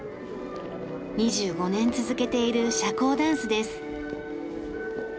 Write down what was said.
２５年続けている社交ダンスです。